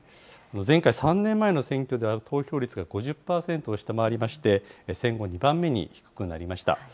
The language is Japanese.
前回・３年前の選挙では、投票率が５０％を下回りまして、戦後２番目に低くなりました。